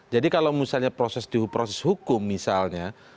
jadi kalau misalnya proses hukum misalnya